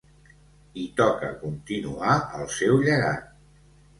I toca continuar el seu llegat.